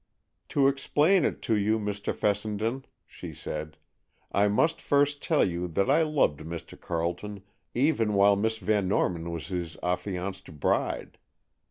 "To explain it to you, Mr. Fessenden," she said, "I must first tell you that I loved Mr. Carleton even while Miss Van Norman was his affianced bride.